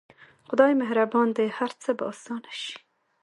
خداى مهربان دى هر څه به اسانه سي.